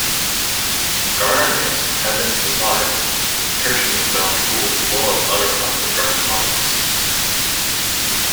Gardeners' Heaven supplies Titchmarsh's own tools as well as other popular gardening products.